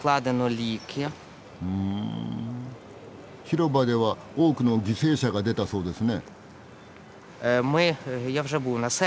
広場では多くの犠牲者が出たそうですね。